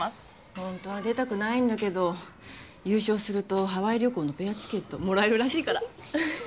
本当は出たくないんだけど優勝するとハワイ旅行のペアチケットもらえるらしいから！